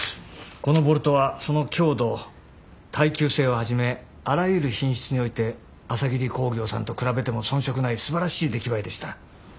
このボルトはその強度耐久性をはじめあらゆる品質において朝霧工業さんと比べても遜色ないすばらしい出来栄えでした。